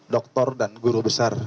doktor dan guru besar